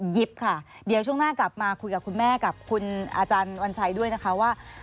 หยิบค่ะเดี๋ยวช่วงหน้ากลับมาคุยกับคุณแม่กับคุณอาจารย์วัญชัยด้วยนะคะว่า